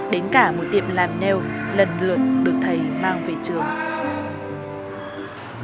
đến cả một tiệm làm neo lần lượt được thầy mang về trường